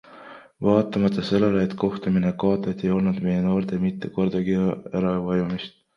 Vaatamata sellele, et kohtumine kaotati, ei olnud meie noortel mitte kordagi äravajumist.